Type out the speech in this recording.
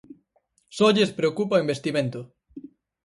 Só lles preocupa o investimento.